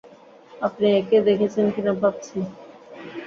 আপনি একে দেখেছেন কিনা ভাবছি।